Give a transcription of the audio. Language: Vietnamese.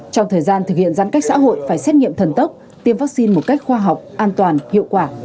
trong thời gian thực hiện giãn cách xã hội phải xét nghiệm thần tốc tiêm vaccine một cách khoa học an toàn hiệu quả